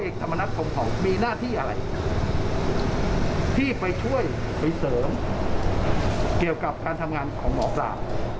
เกี่ยวกับการทำงานของหมอปลา